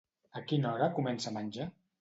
A quina hora comença a menjar?